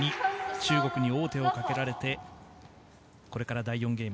中国に王手をかけられてこれから第４ゲーム。